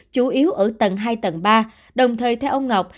chủ yếu ở tầng hai tầng ba đồng thời theo ông ngọc